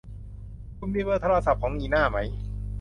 คุณมีเบอร์โทรศัพท์ของนิน่าไหม